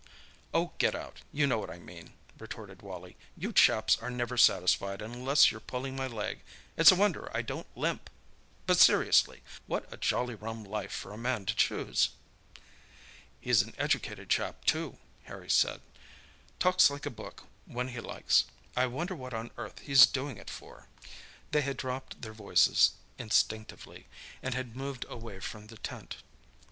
"Oh, get out! you know what I mean," retorted Wally. "You chaps are never satisfied unless you're pulling my leg—it's a wonder I don't limp! But seriously, what a jolly rum life for a man to choose." "He's an educated chap, too," Harry said—"talks like a book when he likes. I wonder what on earth he's doing it for?" They had dropped their voices instinctively, and had moved away from the tent.